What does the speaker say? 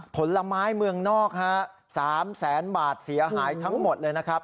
ผลไม้เมืองนอกฮะ๓แสนบาทเสียหายทั้งหมดเลยนะครับ